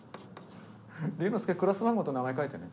瑠之介クラス番号と名前書いてね。